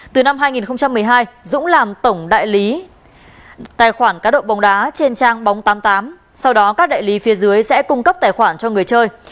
từ năm hai nghìn một mươi hai dũng làm tổng đại lý tài khoản cá độ bóng đá trên trang bóng tám mươi tám sau đó các đại lý phía dưới sẽ cung cấp tài khoản cho người chơi